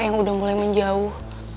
yang udah mulai menjauh